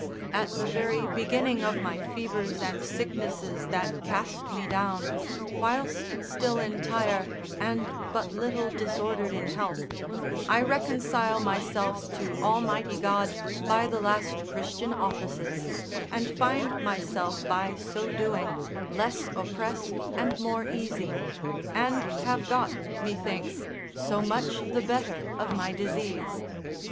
At the very beginning of my fevers and sicknesses that cast me down, whilst still entire, and but little, disordered in health, I reconcile myself to Almighty God by the last Christian, offices, and find myself by so doing less oppressed and more easy, and have got, methinks, so much the better of my disease.